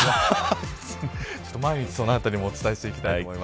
毎日、そのあたりもお伝えしていきたい。